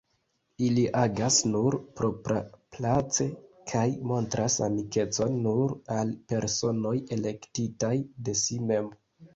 Ili agas nur propraplaĉe kaj montras amikecon nur al personoj, elektitaj de si mem.